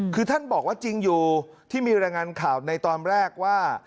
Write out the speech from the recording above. คือท่านบอกว่าจริงอยู่ที่มีรายงานข่าวในตอนแรกว่า